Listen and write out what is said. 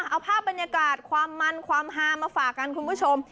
เอาภาพบรรยากาศความมันความฮามาฝากกันคุณผู้ชม